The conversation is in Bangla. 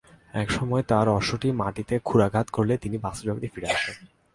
এক সময় তার অশ্বটি মাটিতে ক্ষুরাঘাত করলে তিনি বাস্তবজগতে ফিরে আসেন।